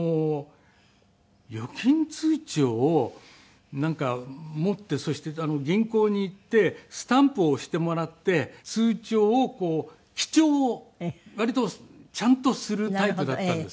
預金通帳をなんか持ってそして銀行に行ってスタンプを押してもらって通帳をこう記帳を割とちゃんとするタイプだったんですが。